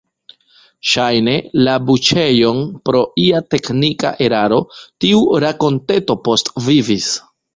Ŝajne, la buĉejon pro ia teknika eraro tiu rakonteto postvivis.